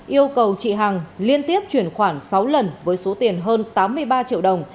yêu cầu chị hằng liên tiếp chuyển khoản sáu lần với số tiền hơn tám mươi ba triệu đồng